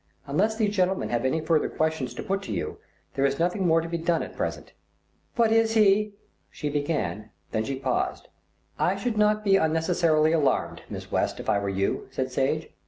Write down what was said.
"Unless these gentlemen have any further questions to put to you, there is nothing more to be done at present." "But is he " she began, then she paused. "I should not be unnecessarily alarmed, Miss West, if I were you," said Sage.